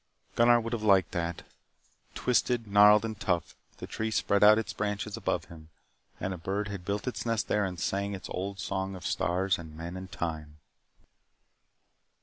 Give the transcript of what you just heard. Gunnar would have liked that. Twisted, gnarled, and tough, the tree spread out its branches above him; and a bird had built its nest there and sang its old song of stars and men and time.